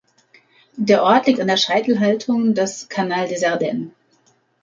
Der Ort liegt an der Scheitelhaltung des Canal des Ardennes.